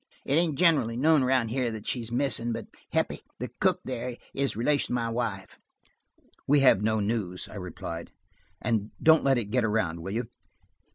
"It ain't generally known around here that she's missing, but Heppie, the cook there, is a relation of my wife's." "We have no news," I replied, "and don't let it get around, will you?"